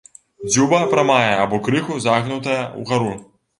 Дзюба прамая або крыху загнутая ўгару.